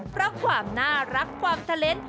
เพราะความน่ารักความเทล็นต์